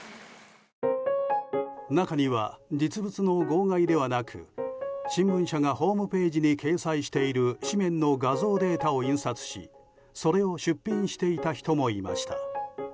中には実物の号外ではなく新聞社がホームページに掲載している紙面の画像データを印刷しそれを出品していた人もいました。